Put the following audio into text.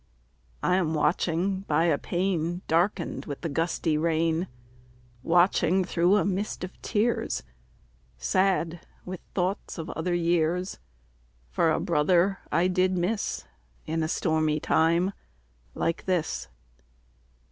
I am watching by a pane Darkened with the gusty rain, Watching, through a mist of tears, Sad with thoughts of other years, For a brother I did miss In a stormy time like this.